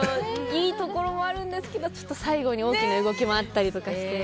いいところもあるんですけどちょっと最後に大きな動きもあったりとかして。